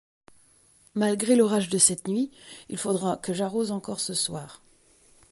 Malgré l'orage de cette nuit, il faudra que j'arrose encore ce soir.